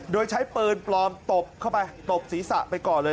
โดยใช้ปืนปลอมตบเข้าไปตบศีรษะไปก่อนเลย